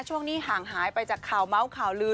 ช่วงนี้ห่างหายไปจากข่าวเมาส์ข่าวลือ